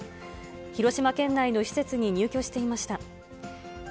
広島県内の施設に入居していました。